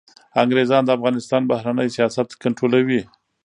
انګریزان د افغانستان بهرنی سیاست کنټرولوي.